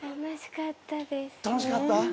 楽しかったです。